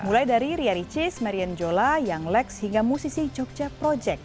mulai dari ria ricis marian jola young lex hingga musisi jogja project